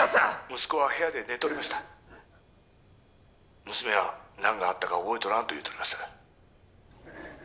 息子は部屋で寝とりました娘は何があったか覚えとらんと言うとります